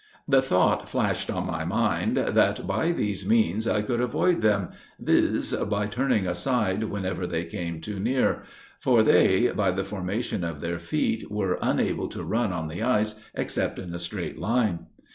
"The thought flashed on my mind, that, by these means, I could avoid them, viz: by turning aside whenever they came too near; for they, by the formation of their feet, are unable to run on the ice, except in a straight line.